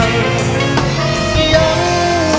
ยังเพราะความสำคัญ